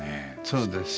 そうです。